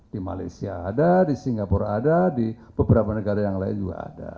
di malaysia ada di singapura ada di beberapa negara yang lain juga ada